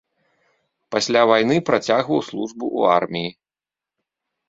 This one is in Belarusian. Пасля вайны працягваў службу ў арміі.